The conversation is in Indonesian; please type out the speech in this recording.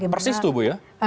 persis tuh bu ya